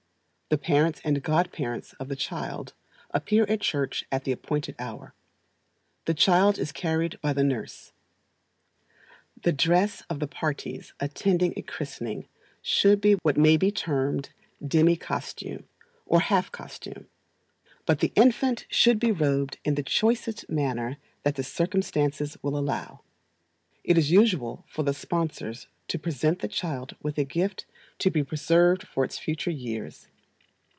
The parents and god parents of the child appear at church at the appointed hour. The child is carried by the nurse. The dress of the parties attending a christening should be what may be termed demi costume, or half costume; but the infant should be robed in the choicest manner that the circumstances will allow. It is usual for the sponsors to present the child with a gift to be preserved for its future years.